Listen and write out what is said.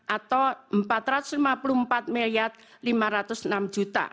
atau rp empat ratus lima puluh empat lima ratus enam